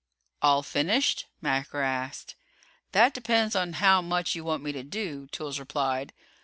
"All finished?" Macker asked. "That depends on how much you want me to do," Toolls replied.